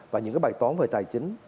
và những cái bài toán về tài chính